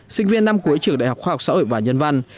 sinh viên năm cuối trường đại học khoa học xã hội và nhân văn